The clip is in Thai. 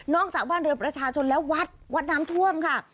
จากบ้านเรือประชาชนและวัดวัดน้ำท่วมค่ะ